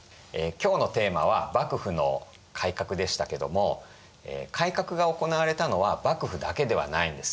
今日のテーマは「幕府の改革」でしたけども改革が行われたのは幕府だけではないんですね。